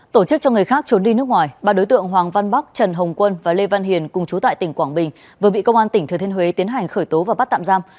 tổ chức cho người khác trốn đi nước ngoài ba đối tượng hoàng văn bắc trần hồng quân và lê văn hiền cùng chú tại tỉnh quảng bình vừa bị công an tỉnh thừa thiên huế tiến hành khởi tố và bắt tạm giam